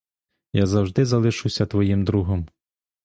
Я завжди залишуся твоїм другом.